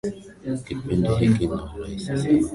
kipindi hiki ni rahisi sana kupoteza uzito